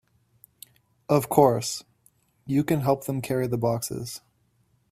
Of course, you can help them carry the boxes.